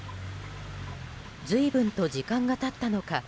随分と時間が経ったのか